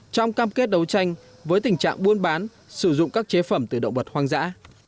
trong cam kết đấu tranh với tình trạng buôn bán sử dụng các chế phẩm từ động vật hoang dã